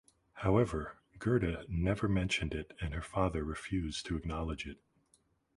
However, Gerda never mentioned it and her father refused to acknowledge it.